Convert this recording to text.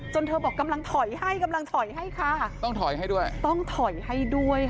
เธอบอกกำลังถอยให้กำลังถอยให้ค่ะต้องถอยให้ด้วยต้องถอยให้ด้วยค่ะ